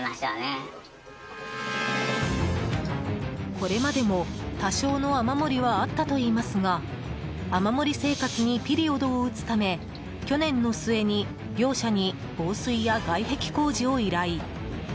これまでも、多少の雨漏りはあったといいますが雨漏り生活にピリオドを打つため去年の末に業者に防水や外壁工事を依頼。